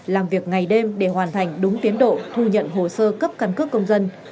làm việc ngày đêm để hoàn thành đúng tiến độ thu nhận hồ sơ cấp căn cước công dân